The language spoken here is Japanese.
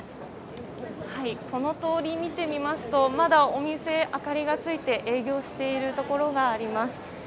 この通りを見てみますとまだお店明かりがついて営業しているところがあります。